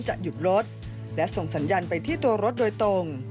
จะหยุดรถและส่งสัญญาณไปที่ตัวรถโดยตรง